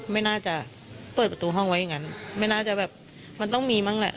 ไม่น่าจะเปิดประตูห้องไว้อย่างนั้นไม่น่าจะแบบมันต้องมีมั้งแหละ